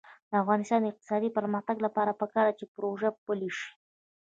د افغانستان د اقتصادي پرمختګ لپاره پکار ده چې پروژه پلي شي.